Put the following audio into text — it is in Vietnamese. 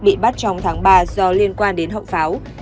bị bắt trong tháng ba do liên quan đến hậu pháo